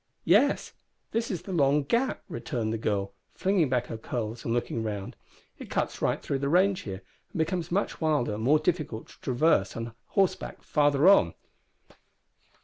"Yes; this is the Long Gap," returned the girl, flinging back her curls and looking round. "It cuts right through the range here, and becomes much wilder and more difficult to traverse on horseback farther on."